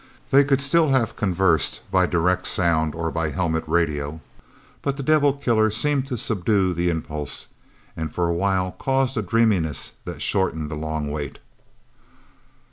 They could still have conversed, by direct sound or by helmet radio, but the devil killer seemed to subdue the impulse, and for a while caused a dreaminess that shortened the long wait...